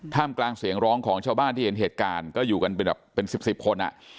มกลางเสียงร้องของชาวบ้านที่เห็นเหตุการณ์ก็อยู่กันเป็นแบบเป็นสิบสิบคนอ่ะ